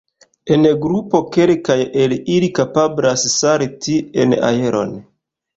En grupo kelkaj el ili kapablas salti en aeron.